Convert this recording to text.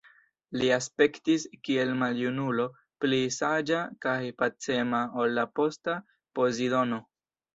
Li aspektis kiel maljunulo, pli saĝa kaj pacema ol la posta Pozidono.